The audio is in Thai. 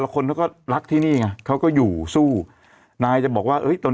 ทำงานครบ๒๐ปีได้เงินชดเฉยเลิกจ้างไม่น้อยกว่า๔๐๐วัน